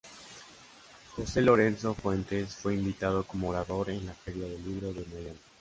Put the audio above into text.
Jose Lorenzo fuentes fue invitado como orador en la Feria del Libro de Miami.